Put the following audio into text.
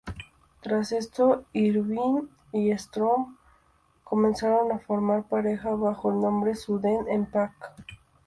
Tras esto, Irvine y Storm comenzaron a formar pareja bajo el nombre "Sudden Impact".